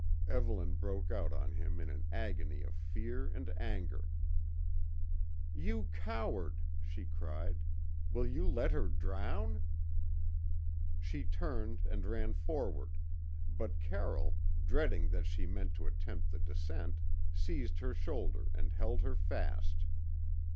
Evelyn broke out on him in an agony of fear and anger. "You coward!" she cried. "Will you let her drown?" She turned and ran forward, but Carroll, dreading that she meant to attempt the descent, seized her shoulder and held her fast.